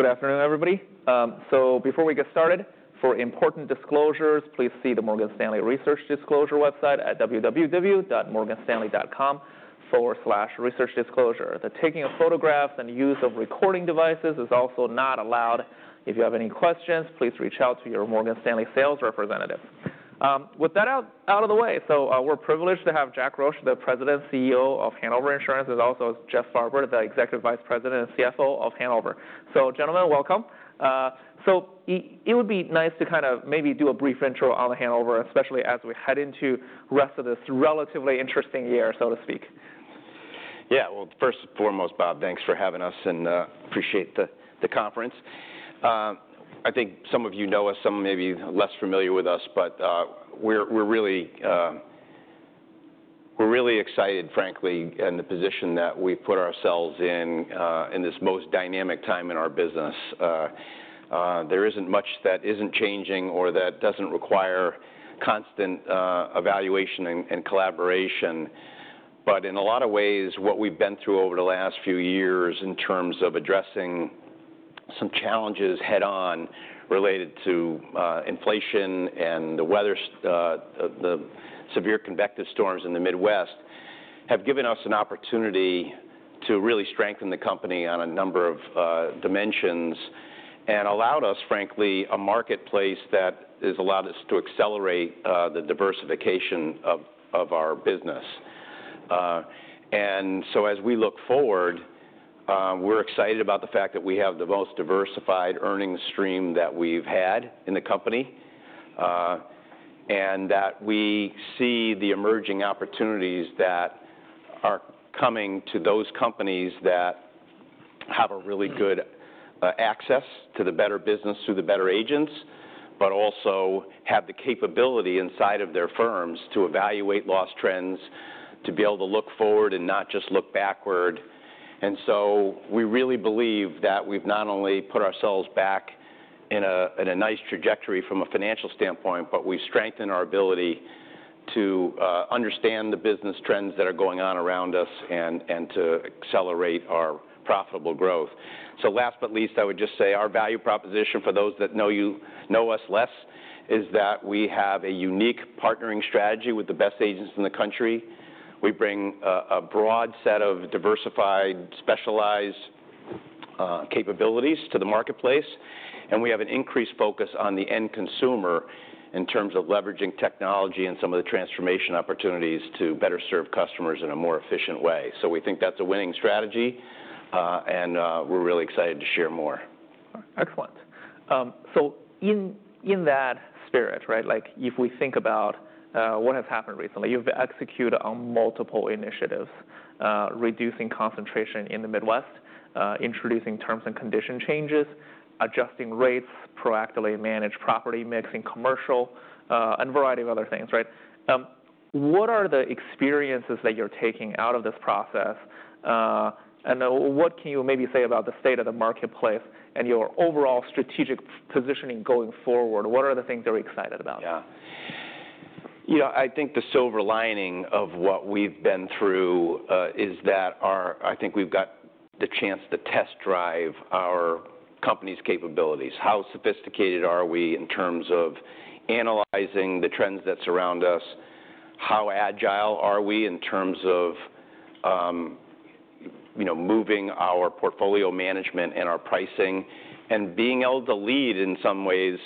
All right. Good afternoon, everybody. Before we get started, for important disclosures, please see the Morgan Stanley Research Disclosure website at www.morganstanley.com/researchdisclosure. The taking of photographs and use of recording devices is also not allowed. If you have any questions, please reach out to your Morgan Stanley sales representative. With that out of the way, we're privileged to have Jack Roche, the President and CEO of Hanover Insurance, as well as Jeff Farber, the Executive Vice President and CFO of Hanover. Gentlemen, welcome. It would be nice to kind of maybe do a brief intro on Hanover, especially as we head into the rest of this relatively interesting year, so to speak. Yeah. 1st and foremost, Bob, thanks for having us and appreciate the conference. I think some of you know us, some may be less familiar with us, but we're really excited, frankly, in the position that we've put ourselves in, in this most dynamic time in our business. There isn't much that isn't changing or that doesn't require constant evaluation and collaboration. In a lot of ways, what we've been through over the last few years in terms of addressing some challenges head-on related to inflation and the severe convective storms in the Midwest have given us an opportunity to really strengthen the company on a number of dimensions and allowed us, frankly, a marketplace that has allowed us to accelerate the diversification of our business. As we look forward, we're excited about the fact that we have the most diversified earnings stream that we've had in the company and that we see the emerging opportunities that are coming to those companies that have a really good access to the better business through the better agents, but also have the capability inside of their firms to evaluate loss trends, to be able to look forward and not just look backward. We really believe that we've not only put ourselves back in a nice trajectory from a financial standpoint, but we've strengthened our ability to understand the business trends that are going on around us and to accelerate our profitable growth. Last but not least, I would just say our value proposition for those that know us less is that we have a unique partnering strategy with the best agents in the country. We bring a broad set of diversified, specialized capabilities to the marketplace, and we have an increased focus on the end consumer in terms of leveraging technology and some of the transformation opportunities to better serve customers in a more efficient way. We think that's a winning strategy, and we're really excited to share more. Excellent. In that spirit, right, if we think about what has happened recently, you've executed on multiple initiatives: reducing concentration in the Midwest, introducing terms and condition changes, adjusting rates, proactively manage property mix in commercial, and a variety of other things. Right? What are the experiences that you're taking out of this process? What can you maybe say about the state of the marketplace and your overall strategic positioning going forward? What are the things you're excited about? Yeah. I think the silver lining of what we've been through is that I think we've got the chance to test drive our company's capabilities. How sophisticated are we in terms of analyzing the trends that surround us? How agile are we in terms of moving our portfolio management and our pricing and being able to lead in some ways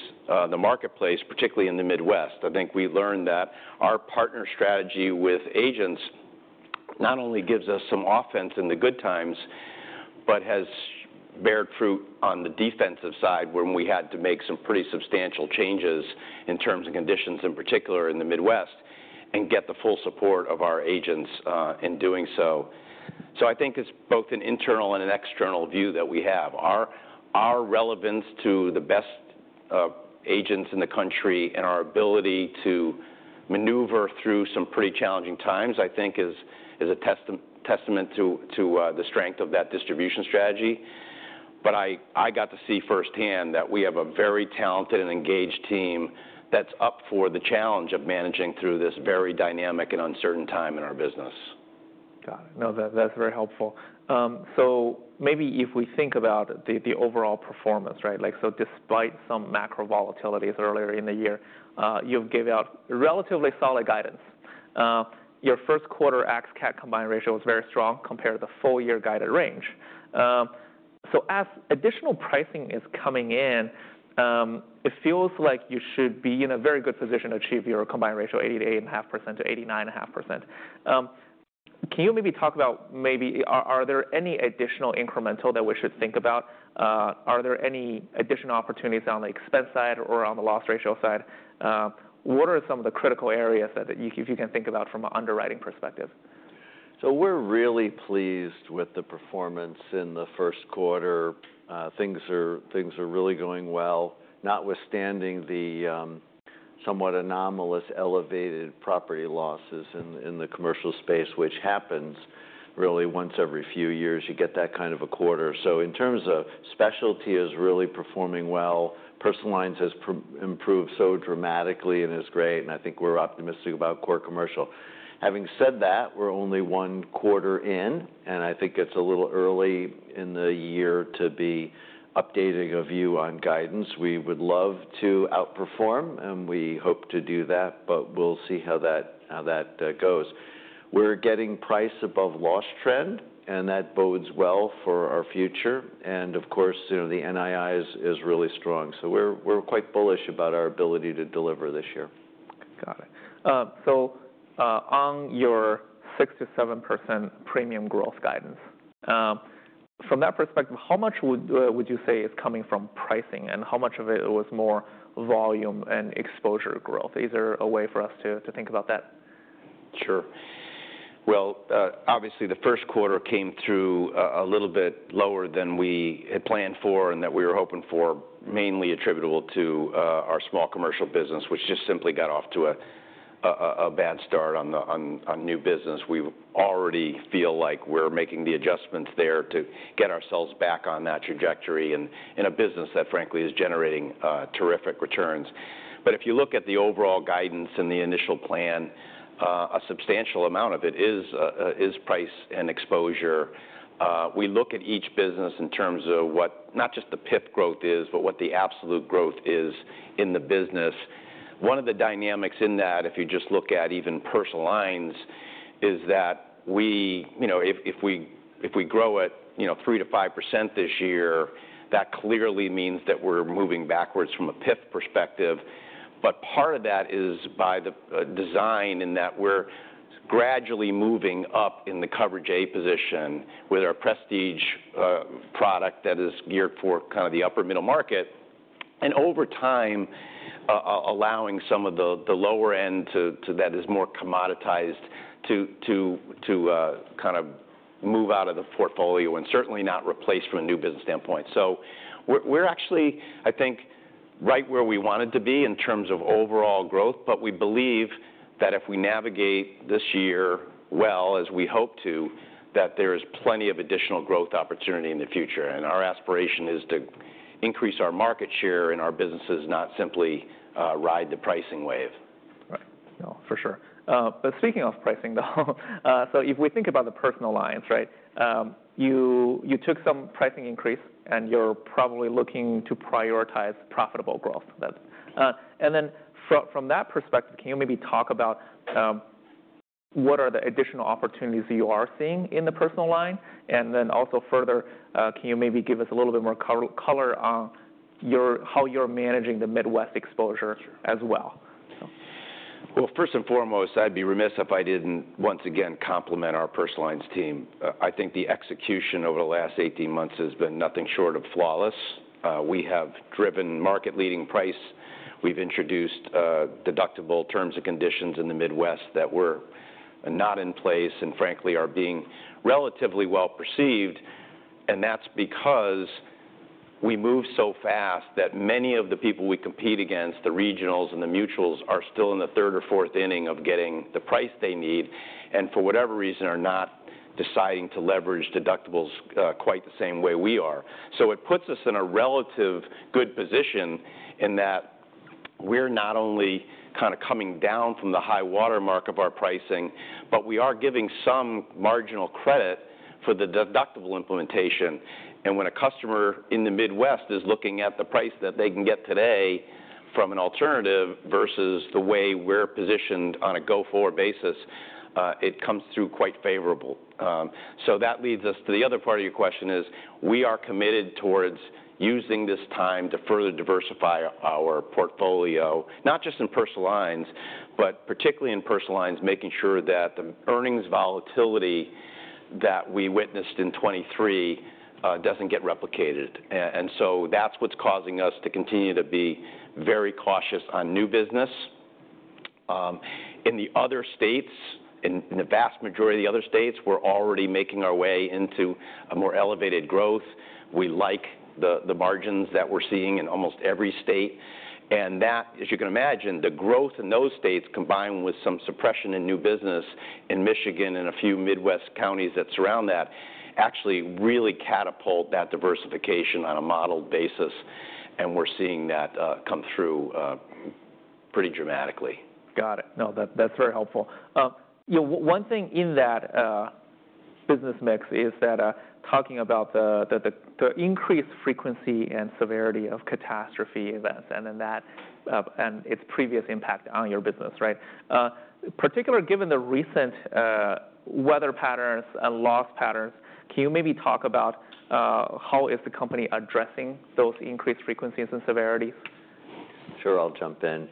the marketplace, particularly in the Midwest? I think we learned that our partner strategy with agents not only gives us some offense in the good times, but has borne fruit on the defensive side when we had to make some pretty substantial changes in terms and conditions, in particular in the Midwest, and get the full support of our agents in doing so. I think it's both an internal and an external view that we have. Our relevance to the best agents in the country and our ability to maneuver through some pretty challenging times, I think, is a testament to the strength of that distribution strategy. I got to see firsthand that we have a very talented and engaged team that's up for the challenge of managing through this very dynamic and uncertain time in our business. Got it. No, that's very helpful. Maybe if we think about the overall performance, right, despite some macro volatilities earlier in the year, you've given out relatively solid guidance. Your 1st quarter ex-CAT combined ratio was very strong compared to the full year guided range. As additional pricing is coming in, it feels like you should be in a very good position to achieve your combined ratio 88.5%-89.5%. Can you maybe talk about maybe are there any additional incremental that we should think about? Are there any additional opportunities on the expense side or on the loss ratio side? What are some of the critical areas that you can think about from an underwriting perspective? We're really pleased with the performance in the 1st quarter. Things are really going well, notwithstanding the somewhat anomalous elevated property losses in the commercial space, which happens really once every few years. You get that kind of a quarter. In terms of specialty, it is really performing well. Personal lines has improved so dramatically and is great, and I think we're optimistic about core commercial. Having said that, we're only one quarter in, and I think it's a little early in the year to be updating a view on guidance. We would love to outperform, and we hope to do that, but we'll see how that goes. We're getting price above loss trend, and that bodes well for our future. Of course, the NII is really strong. We're quite bullish about our ability to deliver this year. Got it. On your 6-7% premium growth guidance, from that perspective, how much would you say is coming from pricing, and how much of it was more volume and exposure growth? Is there a way for us to think about that? Sure. Obviously, the 1st quarter came through a little bit lower than we had planned for and that we were hoping for, mainly attributable to our small commercial business, which just simply got off to a bad start on new business. We already feel like we're making the adjustments there to get ourselves back on that trajectory in a business that, frankly, is generating terrific returns. If you look at the overall guidance and the initial plan, a substantial amount of it is price and exposure. We look at each business in terms of what not just the PIP growth is, but what the absolute growth is in the business. One of the dynamics in that, if you just look at even personal lines, is that if we grow at 3-5% this year, that clearly means that we're moving backwards from a PIP perspective. Part of that is by the design in that we're gradually moving up in the coverage A position with our Prestige product that is geared for kind of the upper middle market and over time allowing some of the lower end that is more commoditized to kind of move out of the portfolio and certainly not replace from a new business standpoint. We're actually, I think, right where we wanted to be in terms of overall growth, but we believe that if we navigate this year well, as we hope to, that there is plenty of additional growth opportunity in the future. Our aspiration is to increase our market share in our businesses, not simply ride the pricing wave. Right. No, for sure. Speaking of pricing, though, if we think about the personal lines, right, you took some pricing increase, and you're probably looking to prioritize profitable growth. From that perspective, can you maybe talk about what are the additional opportunities you are seeing in the personal line? Also, further, can you maybe give us a little bit more color on how you're managing the Midwest exposure as well? 1st and foremost, I'd be remiss if I didn't once again compliment our personal lines team. I think the execution over the last 18 months has been nothing short of flawless. We have driven market-leading price. We've introduced deductible terms and conditions in the Midwest that were not in place and, frankly, are being relatively well perceived. That's because we move so fast that many of the people we compete against, the regionals and the mutuals, are still in the third or fourth inning of getting the price they need and for whatever reason are not deciding to leverage deductibles quite the same way we are. It puts us in a relatively good position in that we're not only kind of coming down from the high watermark of our pricing, but we are giving some marginal credit for the deductible implementation. When a customer in the Midwest is looking at the price that they can get today from an alternative versus the way we're positioned on a go-forward basis, it comes through quite favorable. That leads us to the other part of your question. We are committed towards using this time to further diversify our portfolio, not just in personal lines, but particularly in personal lines, making sure that the earnings volatility that we witnessed in 2023 does not get replicated. That is what is causing us to continue to be very cautious on new business. In the vast majority of the other states, we are already making our way into a more elevated growth. We like the margins that we are seeing in almost every state. That, as you can imagine, the growth in those states combined with some suppression in new business in Michigan and a few Midwest counties that surround that actually really catapult that diversification on a modeled basis. We are seeing that come through pretty dramatically. Got it. No, that's very helpful. One thing in that business mix is that talking about the increased frequency and severity of catastrophe events and its previous impact on your business, right? Particularly given the recent weather patterns and loss patterns, can you maybe talk about how is the company addressing those increased frequencies and severities? Sure, I'll jump in.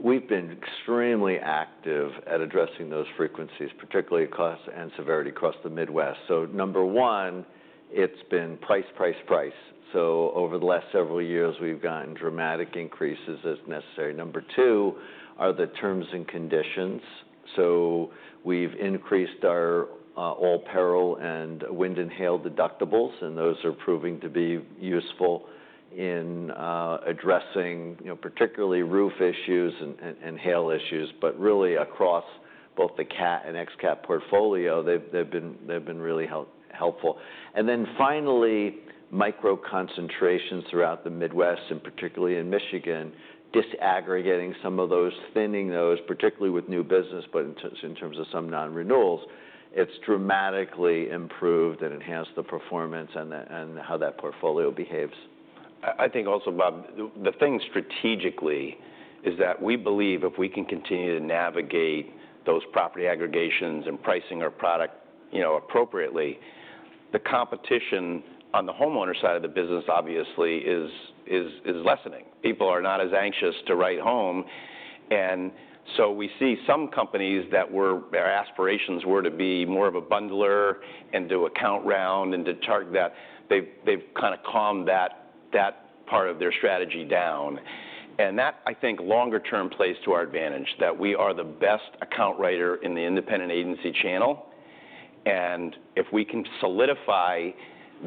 We've been extremely active at addressing those frequencies, particularly across and severity across the Midwest. Number one, it's been price, price, price. Over the last several years, we've gotten dramatic increases as necessary. Number two are the terms and conditions. We've increased our all-peril and wind and hail deductibles, and those are proving to be useful in addressing particularly roof issues and hail issues, but really across both the CAT and ex-CAT portfolio, they've been really helpful. Finally, micro concentrations throughout the Midwest, and particularly in Michigan, disaggregating some of those, thinning those, particularly with new business, but in terms of some non-renewals, it's dramatically improved and enhanced the performance and how that portfolio behaves. I think also, Bob, the thing strategically is that we believe if we can continue to navigate those property aggregations and pricing our product appropriately, the competition on the homeowner side of the business obviously is lessening. People are not as anxious to write home. We see some companies that their aspirations were to be more of a bundler and do account round and to target that, they have kind of calmed that part of their strategy down. That, I think, longer term plays to our advantage that we are the best account writer in the independent agency channel. If we can solidify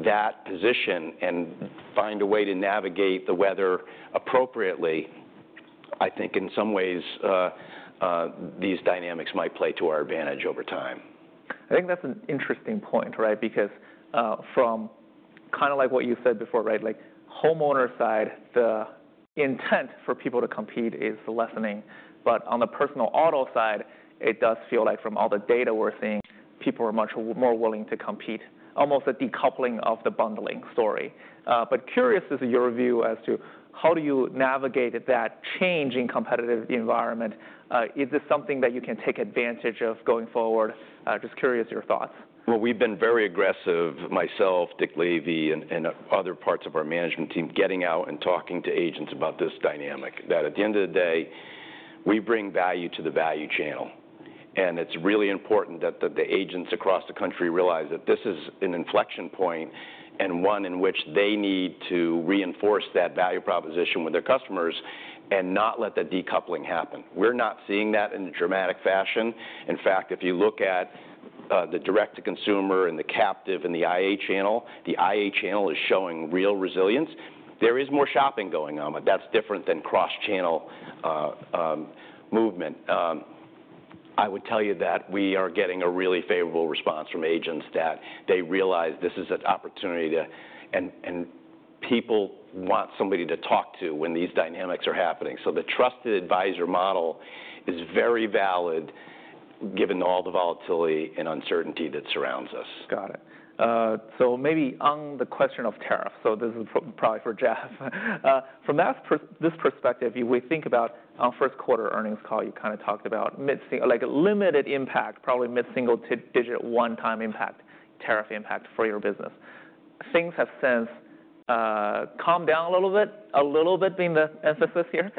that position and find a way to navigate the weather appropriately, I think in some ways these dynamics might play to our advantage over time. I think that's an interesting point, right? Because from kind of like what you said before, right, like Homeowners side, the intent for people to compete is lessening. On the Personal Auto side, it does feel like from all the data we're seeing, people are much more willing to compete, almost a decoupling of the bundling story. Curious is your view as to how do you navigate that change in competitive environment? Is this something that you can take advantage of going forward? Just curious your thoughts. We've been very aggressive, myself, Dick Lavey, and other parts of our management team getting out and talking to agents about this dynamic that at the end of the day, we bring value to the value channel. It's really important that the agents across the country realize that this is an inflection point and one in which they need to reinforce that value proposition with their customers and not let that decoupling happen. We're not seeing that in a dramatic fashion. In fact, if you look at the direct-to-consumer and the captive and the IA channel, the IA channel is showing real resilience. There is more shopping going on, but that's different than cross-channel movement. I would tell you that we are getting a really favorable response from agents that they realize this is an opportunity to, and people want somebody to talk to when these dynamics are happening. The trusted advisor model is very valid given all the volatility and uncertainty that surrounds us. Got it. Maybe on the question of tariff, this is probably for Jeff. From this perspective, if we think about our first quarter earnings call, you kind of talked about limited impact, probably mid-single digit one-time impact, tariff impact for your business. Things have since calmed down a little bit, a little bit being the emphasis here.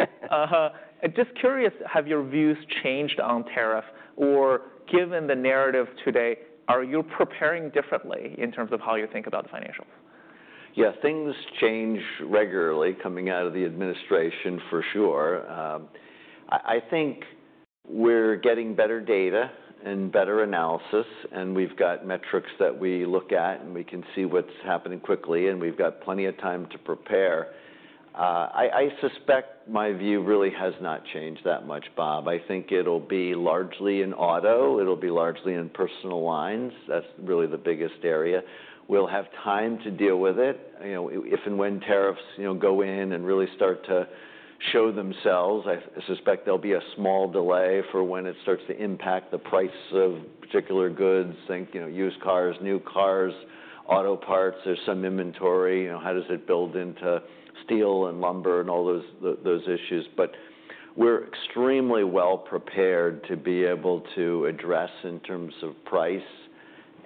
Just curious, have your views changed on tariff or given the narrative today, are you preparing differently in terms of how you think about the financials? Yeah, things change regularly coming out of the administration, for sure. I think we're getting better data and better analysis, and we've got metrics that we look at, and we can see what's happening quickly, and we've got plenty of time to prepare. I suspect my view really has not changed that much, Bob. I think it'll be largely in auto. It'll be largely in personal lines. That's really the biggest area. We'll have time to deal with it. If and when tariffs go in and really start to show themselves, I suspect there'll be a small delay for when it starts to impact the price of particular goods, think used cars, new cars, auto parts, there's some inventory. How does it build into steel and lumber and all those issues? We're extremely well prepared to be able to address in terms of price,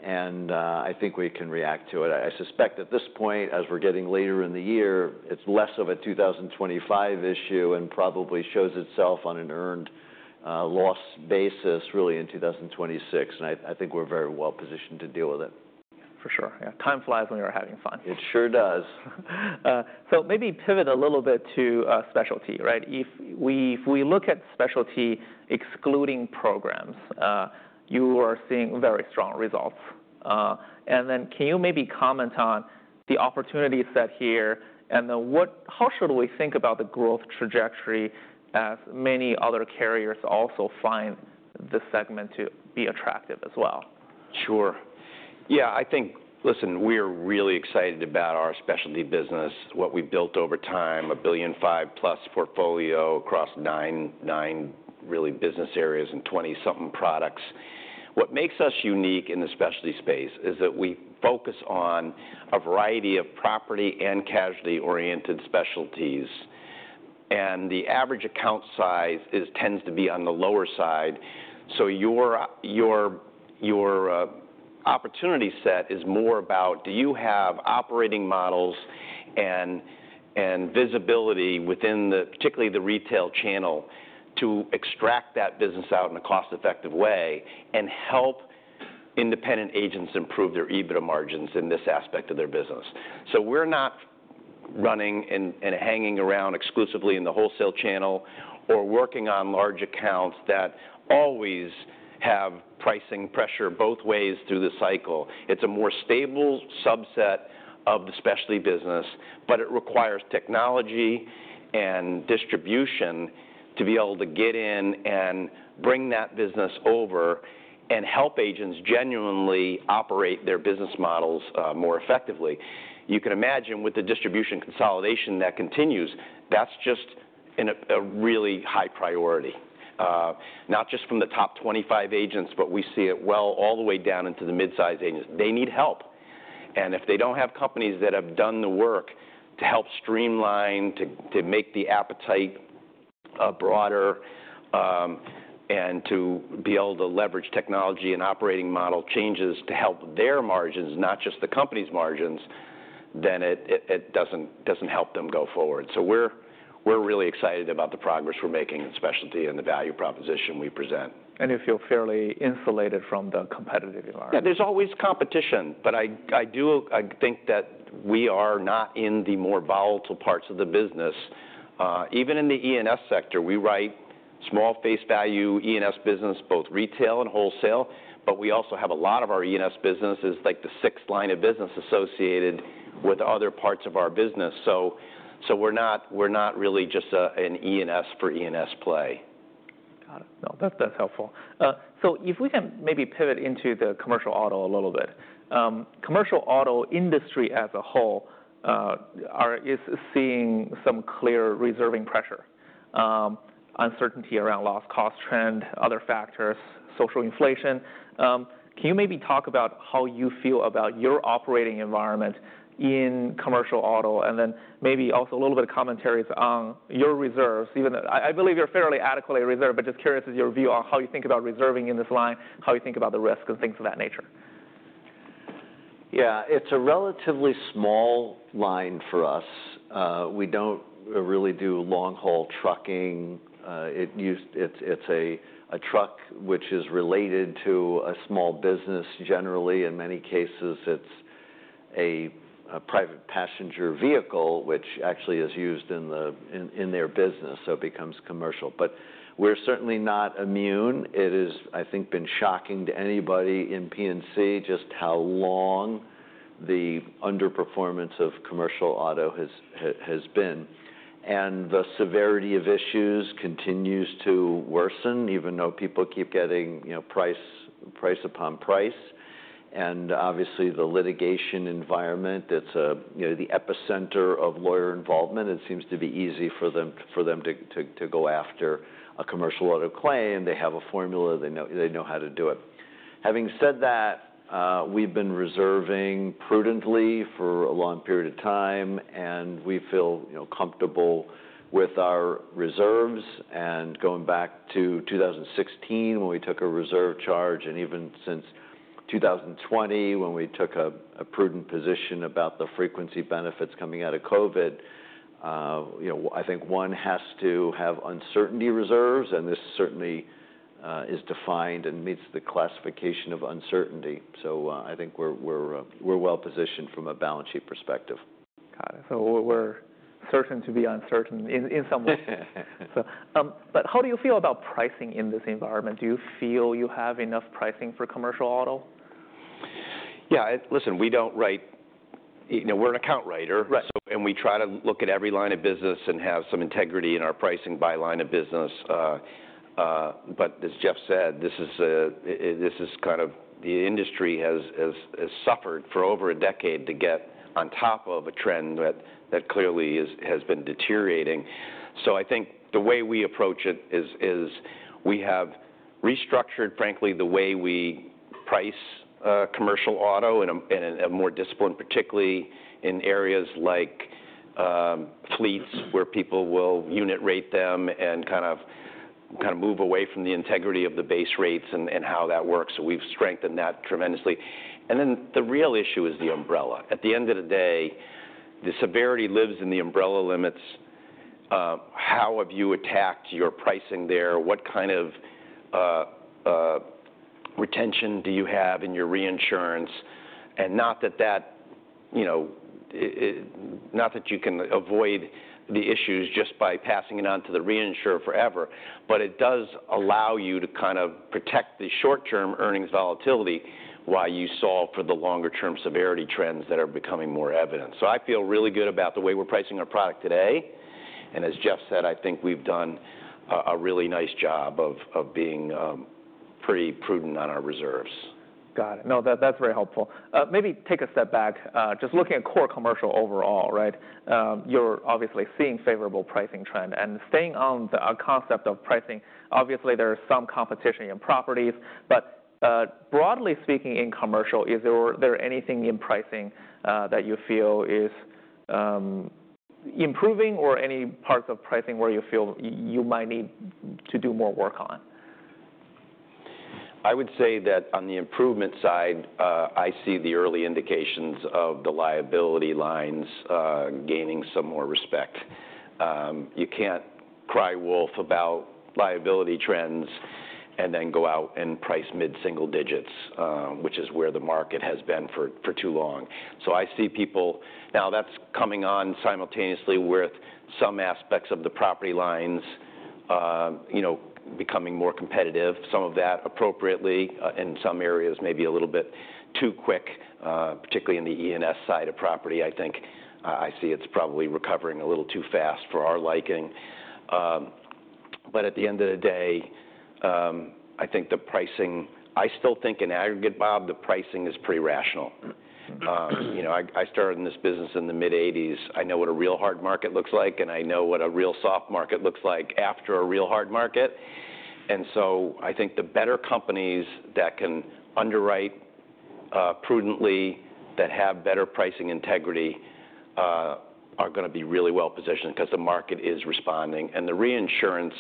and I think we can react to it. I suspect at this point, as we're getting later in the year, it's less of a 2025 issue and probably shows itself on an earned loss basis really in 2026. I think we're very well positioned to deal with it. For sure. Yeah, time flies when you're having fun. It sure does. Maybe pivot a little bit to specialty, right? If we look at specialty excluding programs, you are seeing very strong results. Can you maybe comment on the opportunity set here and then how should we think about the growth trajectory as many other carriers also find the segment to be attractive as well? Sure. Yeah, I think, listen, we are really excited about our specialty business, what we built over time, a billion 5+ portfolio across nine really business areas and 20 something products. What makes us unique in the specialty space is that we focus on a variety of property and casualty-oriented specialties. The average account size tends to be on the lower side. Your opportunity set is more about do you have operating models and visibility within particularly the retail channel to extract that business out in a cost-effective way and help independent agents improve their EBITDA margins in this aspect of their business. We are not running and hanging around exclusively in the wholesale channel or working on large accounts that always have pricing pressure both ways through the cycle. It's a more stable subset of the specialty business, but it requires technology and distribution to be able to get in and bring that business over and help agents genuinely operate their business models more effectively. You can imagine with the distribution consolidation that continues, that's just a really high priority, not just from the top 25 agents, but we see it well all the way down into the mid-size agents. They need help. If they do not have companies that have done the work to help streamline, to make the appetite broader, and to be able to leverage technology and operating model changes to help their margins, not just the company's margins, then it does not help them go forward. We are really excited about the progress we are making in specialty and the value proposition we present. You feel fairly insulated from the competitive environment? Yeah, there's always competition, but I do think that we are not in the more volatile parts of the business. Even in the E&S sector, we write small face value E&S business, both retail and wholesale, but we also have a lot of our E&S businesses like the 6th line of business associated with other parts of our business. So we're not really just an E&S for E&S play. Got it. No, that's helpful. If we can maybe pivot into the commercial auto a little bit, commercial auto industry as a whole is seeing some clear reserving pressure, uncertainty around loss cost trend, other factors, social inflation. Can you maybe talk about how you feel about your operating environment in commercial auto and then maybe also a little bit of commentaries on your reserves? I believe you're fairly adequately reserved, but just curious as your view on how you think about reserving in this line, how you think about the risk and things of that nature. Yeah, it's a relatively small line for us. We don't really do long-haul trucking. It's a truck which is related to a small business generally. In many cases, it's a private passenger vehicle, which actually is used in their business, so it becomes commercial. We're certainly not immune. It has, I think, been shocking to anybody in P&C just how long the underperformance of commercial auto has been. The severity of issues continues to worsen even though people keep getting price upon price. Obviously, the litigation environment, it's the epicenter of lawyer involvement. It seems to be easy for them to go after a commercial auto claim. They have a formula. They know how to do it. Having said that, we've been reserving prudently for a long period of time, and we feel comfortable with our reserves. Going back to 2016 when we took a reserve charge and even since 2020 when we took a prudent position about the frequency benefits coming out of COVID, I think one has to have uncertainty reserves, and this certainly is defined and meets the classification of uncertainty. I think we're well positioned from a balance sheet perspective. Got it. So we're certain to be uncertain in some way. But how do you feel about pricing in this environment? Do you feel you have enough pricing for commercial auto? Yeah, listen, we don't write, we're an account writer, and we try to look at every line of business and have some integrity in our pricing by line of business. As Jeff said, this is kind of the industry has suffered for over a decade to get on top of a trend that clearly has been deteriorating. I think the way we approach it is we have restructured, frankly, the way we price commercial auto in a more disciplined, particularly in areas like fleets where people will unit rate them and kind of move away from the integrity of the base rates and how that works. We have strengthened that tremendously. The real issue is the umbrella. At the end of the day, the severity lives in the umbrella limits. How have you attacked your pricing there? What kind of retention do you have in your reinsurance? Not that you can avoid the issues just by passing it on to the reinsurer forever, but it does allow you to kind of protect the short-term earnings volatility while you solve for the longer-term severity trends that are becoming more evident. I feel really good about the way we're pricing our product today. As Jeff said, I think we've done a really nice job of being pretty prudent on our reserves. Got it. No, that's very helpful. Maybe take a step back. Just looking at core commercial overall, right? You're obviously seeing favorable pricing trend. Staying on the concept of pricing, obviously there is some competition in properties, but broadly speaking in commercial, is there anything in pricing that you feel is improving or any parts of pricing where you feel you might need to do more work on? I would say that on the improvement side, I see the early indications of the liability lines gaining some more respect. You can't cry wolf about liability trends and then go out and price mid-single digits, which is where the market has been for too long. I see people, now that's coming on simultaneously with some aspects of the property lines becoming more competitive, some of that appropriately in some areas, maybe a little bit too quick, particularly in the E&S side of property. I think I see it's probably recovering a little too fast for our liking. At the end of the day, I think the pricing, I still think in aggregate, Bob, the pricing is pretty rational. I started in this business in the mid-1980s. I know what a real hard market looks like, and I know what a real soft market looks like after a real hard market. I think the better companies that can underwrite prudently, that have better pricing integrity are going to be really well positioned because the market is responding. The reinsurance,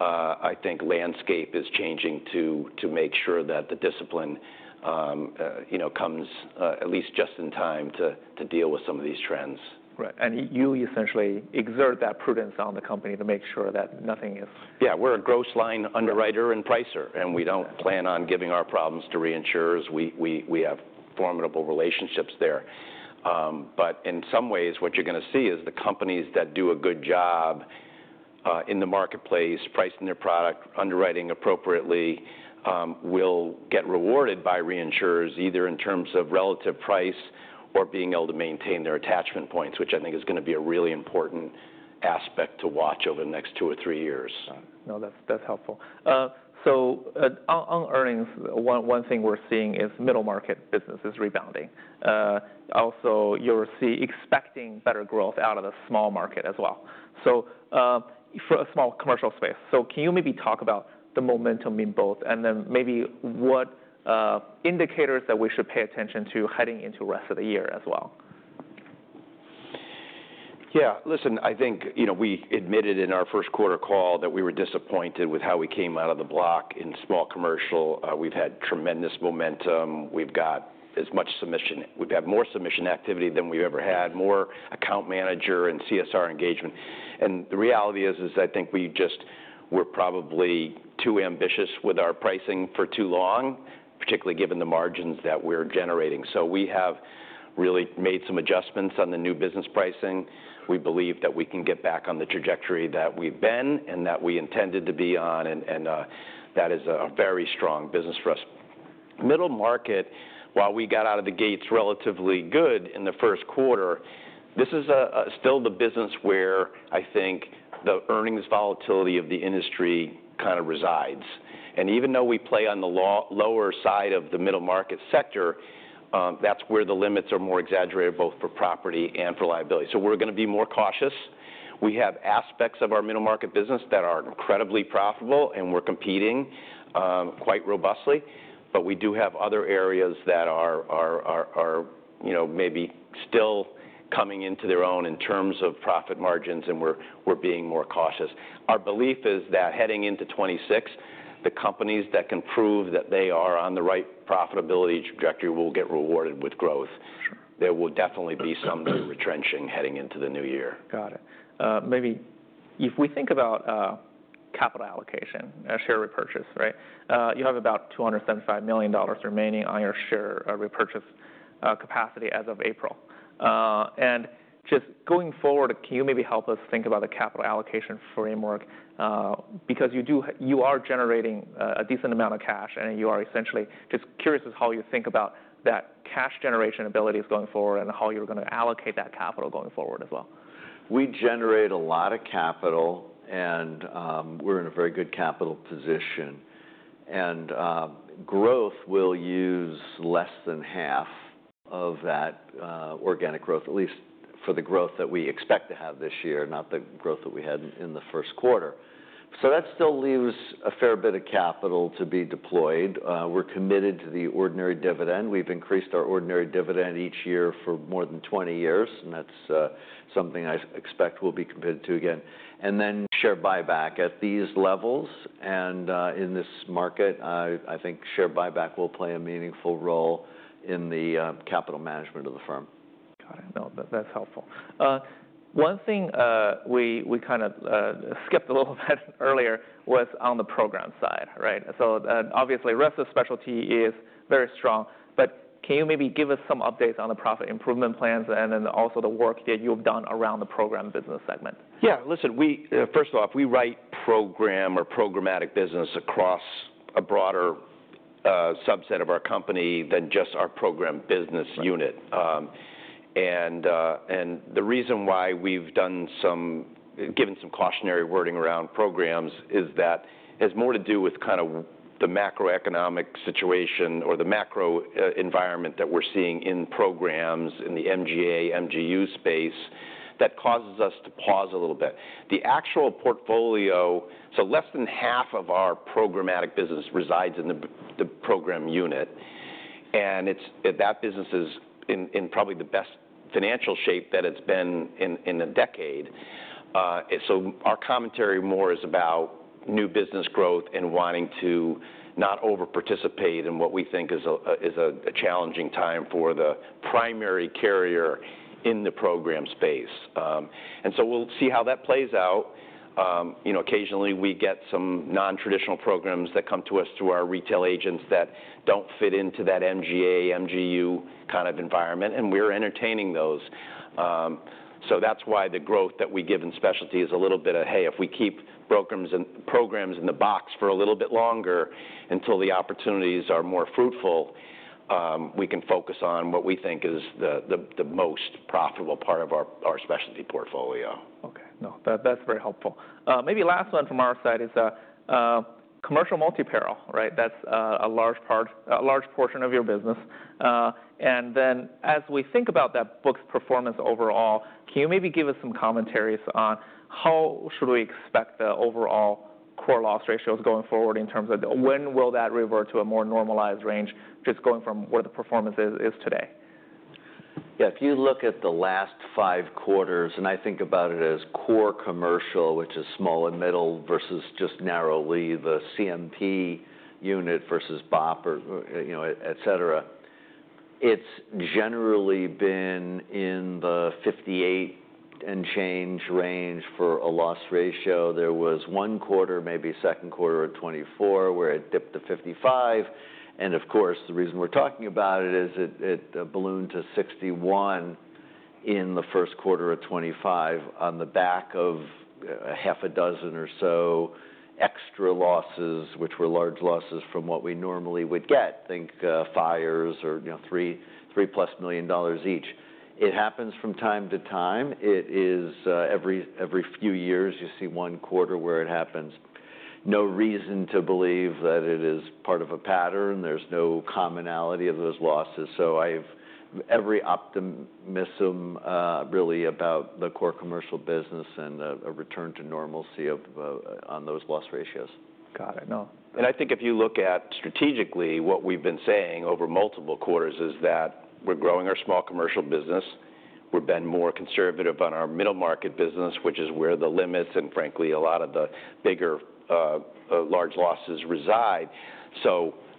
I think, landscape is changing to make sure that the discipline comes at least just in time to deal with some of these trends. Right. You essentially exert that prudence on the company to make sure that nothing is. Yeah, we're a gross line underwriter and pricer, and we don't plan on giving our problems to reinsurers. We have formidable relationships there. In some ways, what you're going to see is the companies that do a good job in the marketplace, pricing their product, underwriting appropriately, will get rewarded by reinsurers either in terms of relative price or being able to maintain their attachment points, which I think is going to be a really important aspect to watch over the next two or three years. No, that's helpful. On earnings, one thing we're seeing is middle market business is rebounding. Also, you'll see expecting better growth out of the small market as well. For a small commercial space, can you maybe talk about the momentum in both and then maybe what indicators that we should pay attention to heading into the rest of the year as well? Yeah, listen, I think we admitted in our first quarter call that we were disappointed with how we came out of the block in small commercial. We've had tremendous momentum. We've got as much submission, we've had more submission activity than we've ever had, more account manager and CSR engagement. The reality is, I think we just were probably too ambitious with our pricing for too long, particularly given the margins that we're generating. We have really made some adjustments on the new business pricing. We believe that we can get back on the trajectory that we've been and that we intended to be on, and that is a very strong business for us. Middle market, while we got out of the gates relatively good in the first quarter, this is still the business where I think the earnings volatility of the industry kind of resides. Even though we play on the lower side of the middle market sector, that's where the limits are more exaggerated both for property and for liability. We are going to be more cautious. We have aspects of our middle market business that are incredibly profitable, and we're competing quite robustly, but we do have other areas that are maybe still coming into their own in terms of profit margins, and we're being more cautious. Our belief is that heading into 2026, the companies that can prove that they are on the right profitability trajectory will get rewarded with growth. There will definitely be some new retrenching heading into the new year. Got it. Maybe if we think about capital allocation, share repurchase, right? You have about $275 million remaining on your share repurchase capacity as of April. Just going forward, can you maybe help us think about the capital allocation framework? Because you are generating a decent amount of cash, and you are essentially just curious as how you think about that cash generation abilities going forward and how you're going to allocate that capital going forward as well. We generate a lot of capital, and we're in a very good capital position. Growth will use less than half of that organic growth, at least for the growth that we expect to have this year, not the growth that we had in the first quarter. That still leaves a fair bit of capital to be deployed. We're committed to the ordinary dividend. We've increased our ordinary dividend each year for more than 20 years, and that's something I expect we'll be committed to again. Share buyback at these levels. In this market, I think share buyback will play a meaningful role in the capital management of the firm. Got it. No, that's helpful. One thing we kind of skipped a little bit earlier was on the program side, right? Obviously rest of specialty is very strong, but can you maybe give us some updates on the profit improvement plans and then also the work that you've done around the program business segment? Yeah, listen, first off, we write program or programmatic business across a broader subset of our company than just our program business unit. The reason why we've given some cautionary wording around programs is that it has more to do with kind of the macroeconomic situation or the macro environment that we're seeing in programs in the MGA, MGU space that causes us to pause a little bit. The actual portfolio, so less than half of our programmatic business resides in the program unit, and that business is in probably the best financial shape that it's been in a decade. Our commentary more is about new business growth and wanting to not over-participate in what we think is a challenging time for the primary carrier in the program space. We will see how that plays out. Occasionally, we get some non-traditional programs that come to us through our retail agents that do not fit into that MGA, MGU kind of environment, and we are entertaining those. That is why the growth that we give in specialty is a little bit of, hey, if we keep programs in the box for a little bit longer until the opportunities are more fruitful, we can focus on what we think is the most profitable part of our specialty portfolio. Okay. No, that's very helpful. Maybe last one from our side is commercial multi-peril, right? That's a large portion of your business. And then as we think about that book's performance overall, can you maybe give us some commentaries on how should we expect the overall core loss ratios going forward in terms of when will that revert to a more normalized range just going from where the performance is today? Yeah, if you look at the last five quarters, and I think about it as core commercial, which is small and middle versus just narrowly the CMP unit versus BOP, et cetera, it's generally been in the 58 and change range for a loss ratio. There was one quarter, maybe 2nd quarter of 2024, where it dipped to 55. Of course, the reason we're talking about it is it ballooned to 61 in the 1st quarter of 2025 on the back of a half a dozen or so extra losses, which were large losses from what we normally would get, think fires or $3 million plus each. It happens from time to time. It is every few years you see one quarter where it happens. No reason to believe that it is part of a pattern. There's no commonality of those losses. I have every optimism really about the core commercial business and a return to normalcy on those loss ratios. Got it. No. I think if you look at strategically what we've been saying over multiple quarters is that we're growing our small commercial business. We've been more conservative on our middle market business, which is where the limits and frankly a lot of the bigger large losses reside.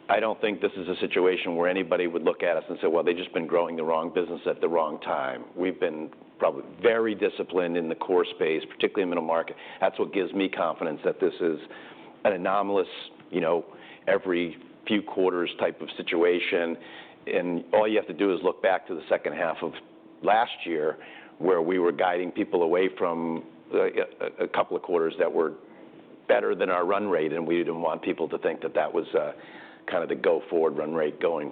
I don't think this is a situation where anybody would look at us and say, well, they've just been growing the wrong business at the wrong time. We've been probably very disciplined in the core space, particularly in middle market. That's what gives me confidence that this is an anomalous every few quarters type of situation. All you have to do is look back to the 2nd half of last year where we were guiding people away from a couple of quarters that were better than our run rate, and we did not want people to think that that was kind of the go-forward run rate going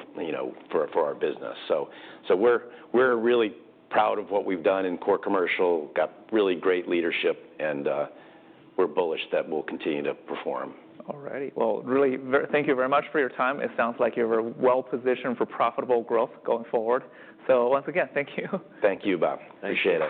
for our business. We are really proud of what we have done in core commercial, got really great leadership, and we are bullish that we will continue to perform. All righty. Really thank you very much for your time. It sounds like you're well positioned for profitable growth going forward. Once again, thank you. Thank you, Bob. Appreciate it.